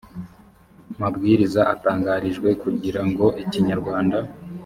mabwiriza atangarijwe kugira ngo ikinyarwanda